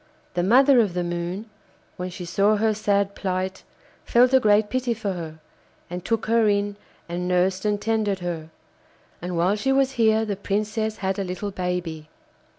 The mother of the Moon, when she saw her sad plight, felt a great pity for her, and took her in and nursed and tended her. And while she was here the Princess had a little baby.